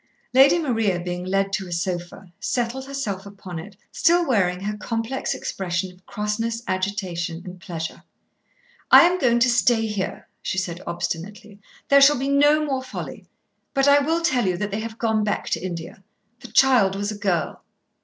Lady Maria being led to a sofa settled herself upon it, still wearing her complex expression of crossness, agitation, and pleasure. "I am going to stay here," she said, obstinately. "There shall be no more folly. But I will tell you that they have gone back to India. The child was a girl."